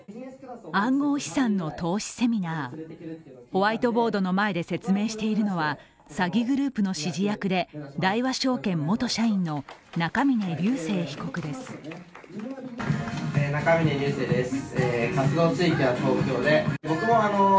ホワイトボードの前で説明しているのは詐欺グループの指示役で大和証券元社員の中峯竜晟被告です。